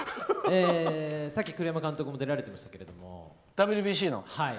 さっき、栗山監督も出られてましたけれども。